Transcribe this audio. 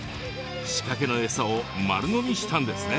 仕掛けのエサを丸のみしたんですね。